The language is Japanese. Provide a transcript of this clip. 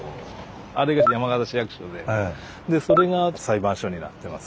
あれが山形市役所でそれが裁判所になってます。